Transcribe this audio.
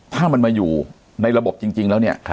ถ้ามันมาอยู่ในระบบจริงแล้วเนี่ย